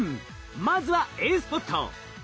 まずはＡスポット。